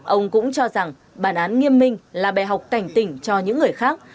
ông cũng cho rằng bản án nghiêm minh là bè học cảnh tỉnh cho những người khác